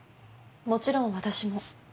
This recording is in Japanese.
もちろん私も。